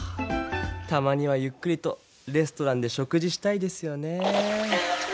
たまにはゆっくりとレストランで食事したいですよねぇ。